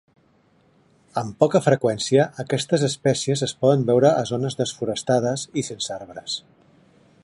Amb poca freqüència, aquests espècies es poden veure a zones desforestades i sense arbres.